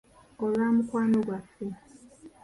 Olwa mukwano gwaffe.